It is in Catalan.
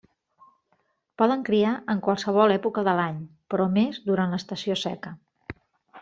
Poden criar en qualsevol època de l'any, però més durant l'estació seca.